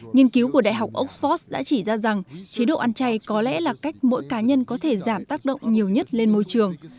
nghiên cứu của đại học oxford đã chỉ ra rằng chế độ ăn chay có lẽ là cách mỗi cá nhân có thể giảm tác động nhiều nhất lên môi trường